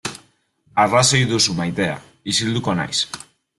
Arrazoi duzu maitea, isilduko naiz.